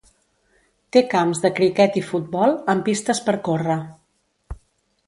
Té camps de criquet i futbol amb pistes per córrer.